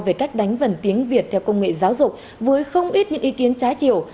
về cách đánh vần tiếng việt theo công nghệ giáo dục với không ít những ý kiến trái chiều